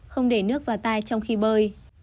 không để nước vào tay trong khi bơi